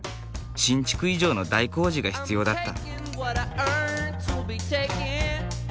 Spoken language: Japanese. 新築以上の大工事が必要だった。